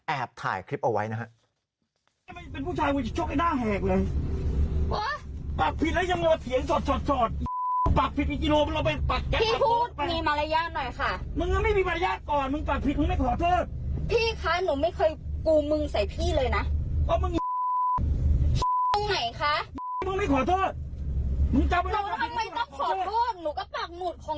แอบถ่ายคลิปเอาไว้นะครับ